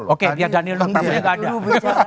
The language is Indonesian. oke lihat daniel lu